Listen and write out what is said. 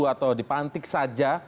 atau dipantik saja